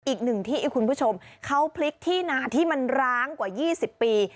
อีกหนึ่งที่คุณผู้ชมเขาพลิกที่นาที่มันร้างกว่า๒๐ปี